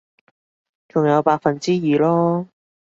仲有百分之二囉